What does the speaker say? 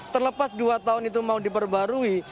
terlepas dua tahun itu mau diperbarui